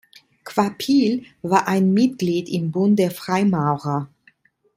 Kvapil war ein Mitglied im Bund der Freimaurer.